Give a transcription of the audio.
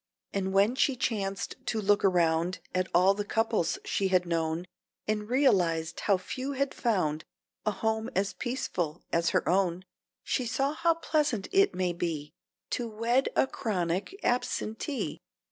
And when she chanced to look around At all the couples she had known, And realized how few had found A home as peaceful as her own, She saw how pleasant it may be To wed a chronic absentee.